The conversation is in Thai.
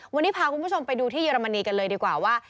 วันนี้พาคุณผู้ชมไปดูที่เยอรมนีกันเลยดีกว่าว่า